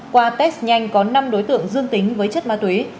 qua test nhanh có năm đối tượng dương tính với chất ma túy